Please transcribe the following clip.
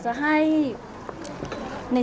สวัสดีครับ